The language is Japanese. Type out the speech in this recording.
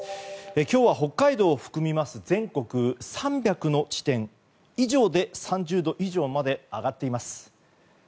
今日は北海道を含みます全国３００の地点以上で３０度以上まで上がっています。